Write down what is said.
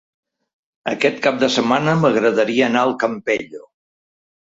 Aquest cap de setmana m'agradaria anar al Campello.